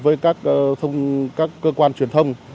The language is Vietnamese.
với các cơ quan truyền thông